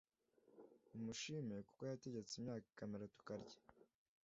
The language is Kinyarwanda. Mumushime ko yategetse imyaka ikamera tukarya